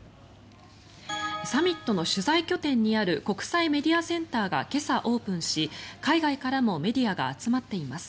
サミットの取材拠点にある国際メディアセンターが今朝、オープンし海外からもメディアが集まっています。